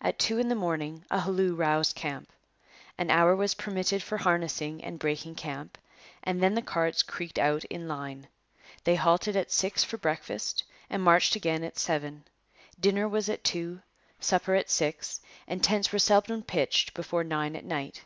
At two in the morning a halloo roused camp. An hour was permitted for harnessing and breaking camp, and then the carts creaked out in line. They halted at six for breakfast and marched again at seven. Dinner was at two, supper at six, and tents were seldom pitched before nine at night.